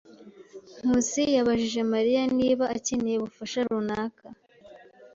Nkusi yabajije Mariya niba akeneye ubufasha runaka.